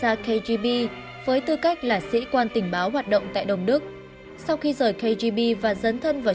tak kgb với tư cách là sĩ quan tình báo hoạt động tại đồng đức sau khi rời kgb và dấn thân vào